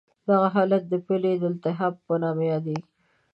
دغه حالت د پلې د التهاب په نامه یادېږي.